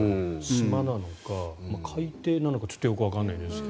島なのか、海底なのかちょっとよくわからないですが。